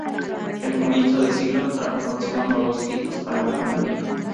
El comienzo de siglo trajo consigo nuevos hitos para la compañía.